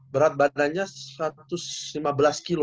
berat badannya satu ratus lima belas kg